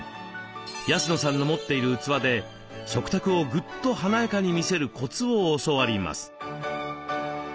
安野さんの持っている器で食卓をぐっと華やかに見せるコツを教わります。